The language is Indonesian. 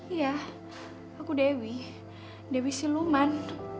iya aku dewi dewi siluman